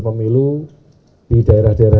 pemilu di daerah daerah